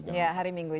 ya hari minggu